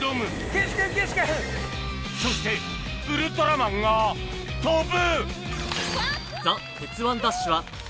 ・岸君岸君・そしてウルトラマンが跳ぶ！